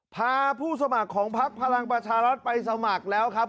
พาผู้สมัครของพักพลังประชารัฐไปสมัครแล้วครับ